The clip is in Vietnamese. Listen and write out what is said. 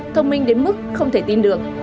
thông minh đến mức không thể tin được